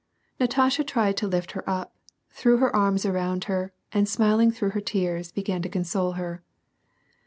Natasha tried to lift her up, threw her arms around her, and smiling through her tears, began to console her.